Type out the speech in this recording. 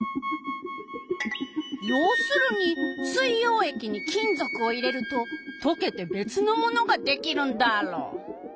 要するに水よう液に金属を入れるととけて別のものができるんダーロ！